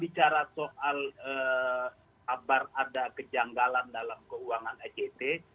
bicara soal kabar ada kejanggalan dalam keuangan egt